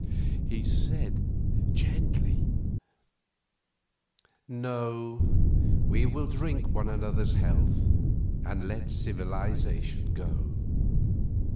He said, gently: "No, we will drink one another's health, and let civilization go.